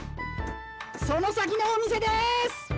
「その先のお店です！」。